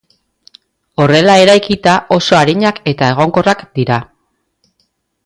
Horrela eraikita, oso arinak eta egonkorrak dira.